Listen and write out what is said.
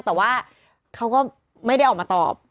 แต่ว่าเขาก็ไม่ได้ออกมาตอบ